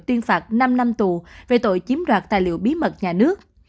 tuyên phạt năm năm tù về tội chiếm đoạt tài liệu bí mật nhà nước